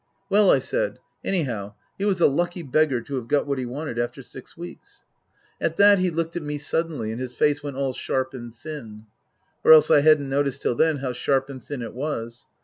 Well, I said, anyhow he was a lucky beggar to have got what he wanted after six weeks. At that he looked at me suddenly and his face went all sharp and thin. Or else I hadn't noticed till then how sharp and thin it was.